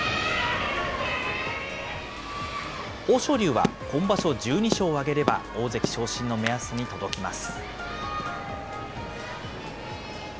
豊昇龍は今場所１２勝あげれば大関昇進の目安に届きます。